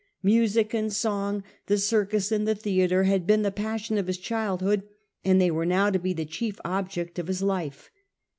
Music and song, the circus and the theatre had been the passion of his childhood ; they were now to be the chief object of his life.